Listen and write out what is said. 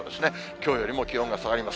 きょうよりも気温が下がります。